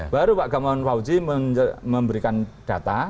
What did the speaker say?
baru pak gamawan fauji memberikan data